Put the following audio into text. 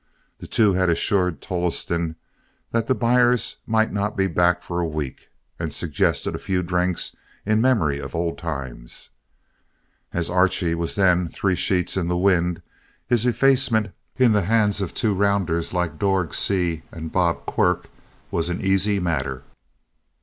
The two had assured Tolleston that the buyers might not be back for a week, and suggested a few drinks in memory of old times. As Archie was then three sheets in the wind, his effacement, in the hands of two rounders like Dorg Seay and Bob Quirk, was an easy matter.